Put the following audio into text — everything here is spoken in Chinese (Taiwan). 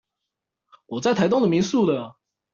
我在台東的民宿了